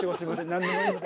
何でもいいので。